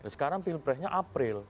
sekarang pilpresnya april